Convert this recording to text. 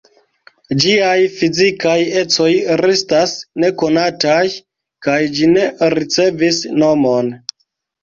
Ĝiaj fizikaj ecoj restas nekonataj, kaj ĝi ne ricevis nomon.